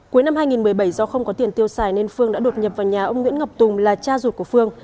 cuối năm hai nghìn một mươi bảy do không có tiền tiêu xài nên phương đã đột nhập vào nhà ông nguyễn ngọc tùng là cha ruột của phương